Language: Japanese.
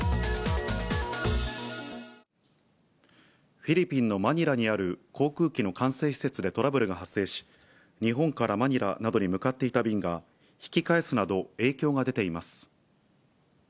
フィリピンのマニラにある航空機の管制施設でトラブルが発生し、日本からマニラなどに向かっていた便が、引き返すなど、影響が出ています。